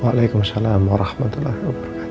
waalaikumsalam warahmatullahi wabarakatuh